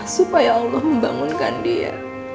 supaya allah membangunkan dia